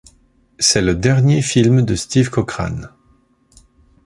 C'est le dernier film de Steve Cochran.